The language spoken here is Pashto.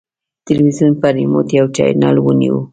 تلویزیون په ریموټ یو چینل ونیو.